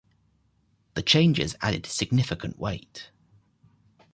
The changes added significant weight.